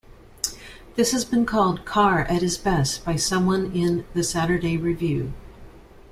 "This has been called 'Carr at his best' by someone in the "Saturday Review".